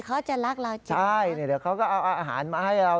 เขาจะรักเราจริงใช่เดี๋ยวเขาก็เอาอาหารมาให้เรา